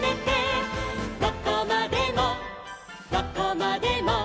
「どこまでもどこまでも」